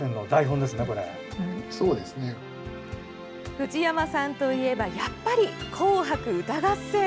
藤山さんといえばやっぱり「紅白歌合戦」。